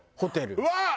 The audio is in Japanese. うわっ！